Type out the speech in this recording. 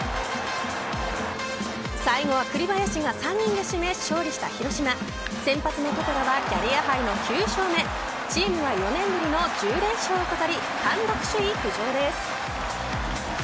最後は栗林が３人で締め、勝利した広島先発の床田はキャリアハイの９勝目チームは４年ぶりの１０連勝を飾り単独首位浮上です。